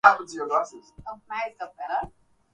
afrika ilikuwa ikitawaliwa chini ya utawala wa wakoloni